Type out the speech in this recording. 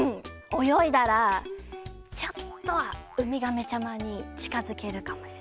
およいだらちょっとはウミガメちゃまにちかづけるかもしれない。